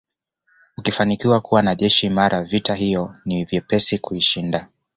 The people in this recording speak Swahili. Ukifanikiwa kuwa na jeshi imara vita hiyo ni vyepesi kuishinda